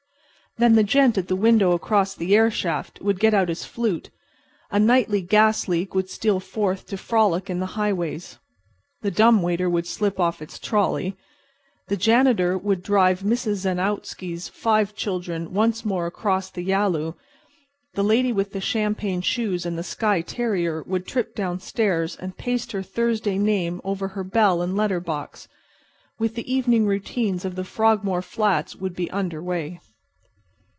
Then the gent at the window across the air shaft would get out his flute; the nightly gas leak would steal forth to frolic in the highways; the dumbwaiter would slip off its trolley; the janitor would drive Mrs. Zanowitski's five children once more across the Yalu, the lady with the champagne shoes and the Skye terrier would trip downstairs and paste her Thursday name over her bell and letter box—and the evening routine of the Frogmore flats would be under way.